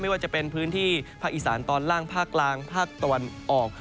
ว่าจะเป็นพื้นที่ภาคอีสานตอนล่างภาคกลางภาคตะวันออก